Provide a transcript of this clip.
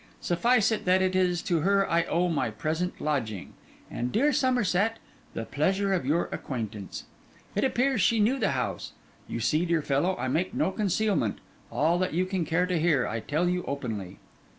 Suffice it, that it is to her I owe my present lodging, and, dear Somerset, the pleasure of your acquaintance. It appears she knew the house. You see dear fellow, I make no concealment: all that you can care to hear, I tell you openly.